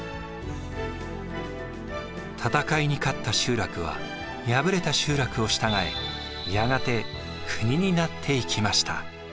戦いに勝った集落は敗れた集落を従えやがて国になっていきました。